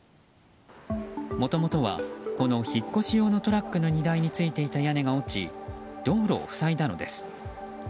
もともとはこの引っ越し用のトラックの荷台についていた屋根が落ち道路を塞いだのです。